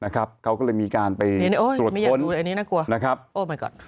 เขาก็เลยมีการไปตรวจตรวจตน